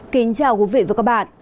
kính chào quý vị và các bạn